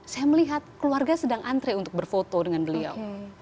saya melihat keluarga sedang antre untuk berfoto dengan beliau